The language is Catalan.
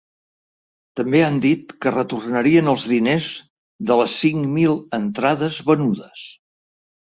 També han dit que retornarien els diners de les cinc mil entrades venudes.